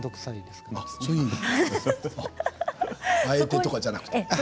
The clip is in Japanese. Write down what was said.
あえてとかではなくて。